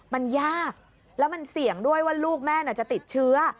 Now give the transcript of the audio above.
มันยากแล้วมันเสี่ยงด้วยว่าลูกแม่จะติดเชื้อ